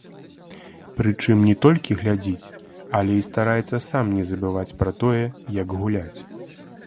Прычым не толькі глядзіць, але і стараецца сам не забываць пра тое, як гуляць.